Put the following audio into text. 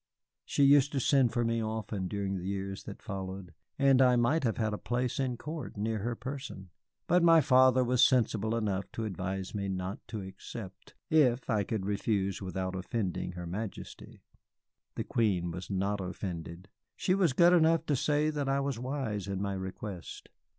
She used to send for me often during the years that followed, and I might have had a place at court near her person. But my father was sensible enough to advise me not to accept, if I could refuse without offending her Majesty. The Queen was not offended; she was good enough to say that I was wise in my request.